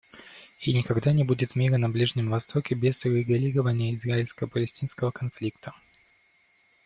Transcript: И никогда не будет мира на Ближнем Востоке без урегулирования израильско-палестинского конфликта.